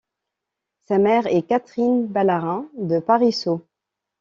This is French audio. Sa mère est Catherine Balarin de Parisot.